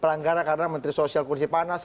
pelanggaran karena menteri sosial kursi panas